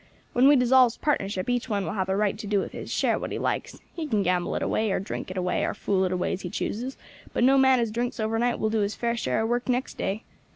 When we dissolves partnership each one will have a right to do with his share what he likes; he can gamble it away, or drink it away, or fool it away as he chooses, but no man as drinks overnight will do his fair share of work next day.